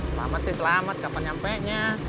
selamat sih selamat kapan nyampenya